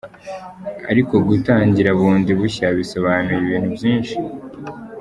Ariko gutangira bundi bushya bisobanuye ibintu byinshi.”